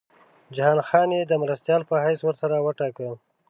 جهان خان یې د مرستیال په حیث ورسره وټاکه.